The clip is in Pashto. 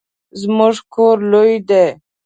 زمونږ کور لوی دی